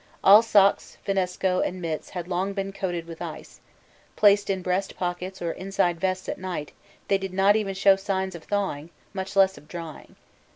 All socks, finnesko, and mits had long been coated with ice; placed in breast pockets or inside vests at night they did not even show signs of thawing, much less of drying.